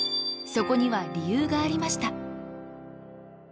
そこには理由がありました。